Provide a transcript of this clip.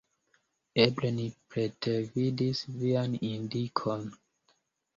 Eble ni pretervidis vian indikon.